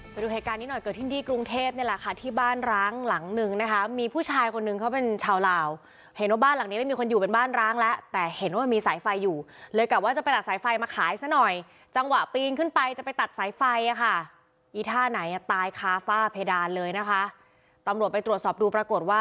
ไปดูเหตุการณ์นี้หน่อยเกิดขึ้นที่กรุงเทพนี่แหละค่ะที่บ้านร้างหลังนึงนะคะมีผู้ชายคนนึงเขาเป็นชาวลาวเห็นว่าบ้านหลังนี้ไม่มีคนอยู่เป็นบ้านร้างแล้วแต่เห็นว่ามันมีสายไฟอยู่เลยกลับว่าจะไปตัดสายไฟมาขายซะหน่อยจังหวะปีนขึ้นไปจะไปตัดสายไฟอ่ะค่ะอีท่าไหนอ่ะตายคาฝ้าเพดานเลยนะคะตำรวจไปตรวจสอบดูปรากฏว่า